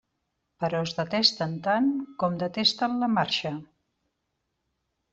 Però es detesten tant com detesten la marxa.